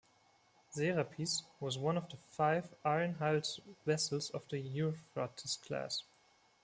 "Serapis" was one of five iron-hulled vessels of the "Euphrates" class.